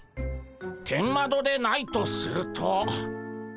天窓でないとすると。